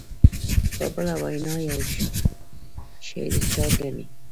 په بله وینا یو شی د چا ګڼي.